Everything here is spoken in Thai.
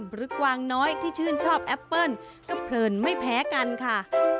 กวางน้อยที่ชื่นชอบแอปเปิ้ลก็เพลินไม่แพ้กันค่ะ